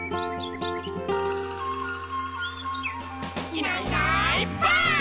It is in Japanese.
「いないいないばあっ！」